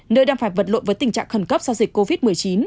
nơi đang phải vật lộn với tình trạng khẩn cấp do dịch covid một mươi chín